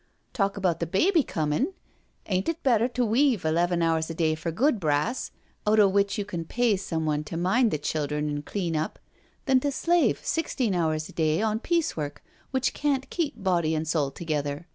Talk about the baby comin'l — ain't it better to weave eleven hours a day for good brass out o' which you can pay some one to mind the childhem an' clean up, than to slave sixteen hours a day on piecework which can't keep body and soul together?